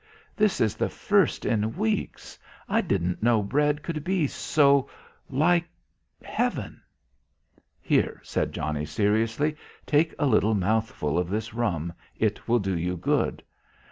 This is the first in weeks. I didn't know bread could be so l like heaven." "Here," said Johnnie seriously. "Take a little mouthful of this rum. It will do you good."